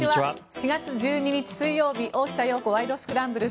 ４月１２日、水曜日「大下容子ワイド！スクランブル」。